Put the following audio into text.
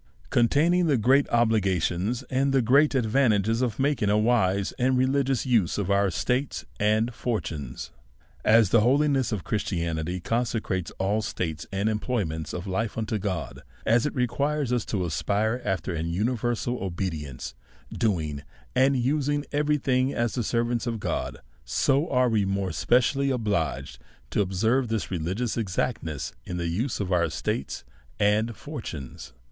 Containing the great Obligatiofis, and the great Ad' vantages of making a wise and religious Use of our Estates and Fortunes. AS the holiness of Christianity consecrates all states and employments of life unto God ; as it requires us to aspire after an universal obedience, doing and using every thing as the servants of God, so are we more es' pecially obliged to observe this religious exactness in the use of our estates and fortunes.